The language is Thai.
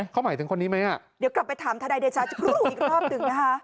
เข้าหมายถึงคนนี้ไหมอ่ะเดี๋ยวกลับไปถามทนาเดชาอีกรอบถึงนะฮะ